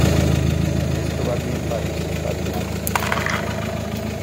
Esto va bien para irse espabilando.